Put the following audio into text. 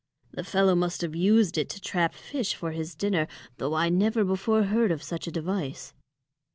The fellow must have used it to trap fish for his dinner, though I never before heard of such a device."